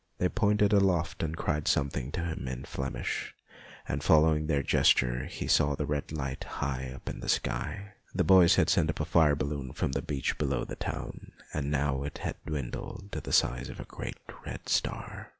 They pointed aloft and cried something to him in Flemish, and following their gesture he saw a red light high up in the sky. The boys had sent up a fire balloon from the beach below the town, and now it had dwindled to the size of a great red star.